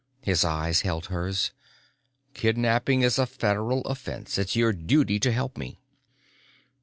His eyes held hers. "Kidnapping is a Federal offense. It's your duty to help me."